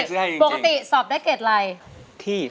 ปกติสอบได้เกรดอะไร